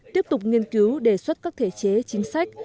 tiếp tục nghiên cứu đề xuất các thể chế chính sách